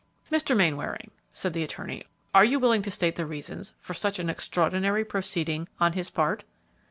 "Mr. Mainwaring," said the attorney, "are you willing to state the reasons for such an extraordinary proceeding on his part?"